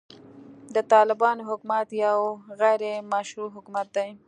د طالبانو حکومت يو غيري مشروع حکومت دی.